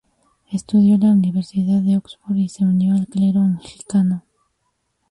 Estudió en la Universidad de Oxford y se unió al clero anglicano.